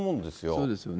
そうですよね。